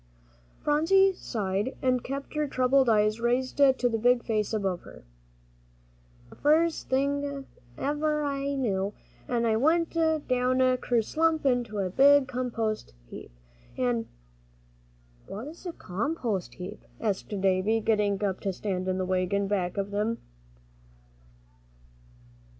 Phronsie sighed, and kept her troubled eyes raised to the big face above her. "An' the first thing't ever I knew, I went down kerslump into a big compost heap, an' " "What's a compost heap?" asked Davie, getting up to stand in the wagon back of them.